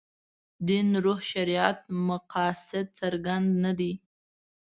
دین روح شریعت مقاصد څرګند نه دي.